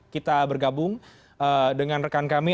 kita bergabung dengan rekan kami